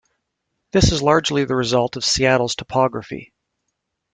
This is largely the result of Seattle's topography.